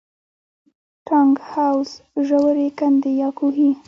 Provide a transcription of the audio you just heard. ټانک، حوض، ژورې کندې یا کوهي.